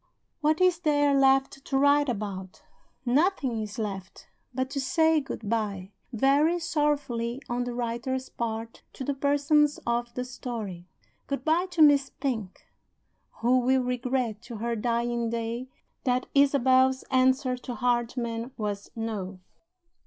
What is there left to write about? Nothing is left but to say good by (very sorrowfully on the writer's part) to the Persons of the Story. Good by to Miss Pink who will regret to her dying day that Isabel's answer to Hardyman was No.